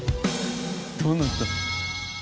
どうなった？